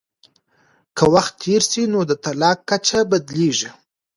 که وخت تېر سي نو د طلاق کچه بدلیږي.